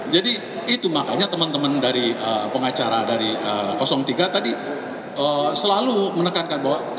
jadi itu makanya teman teman dari pengacara dari tiga tadi selalu menekankan bahwa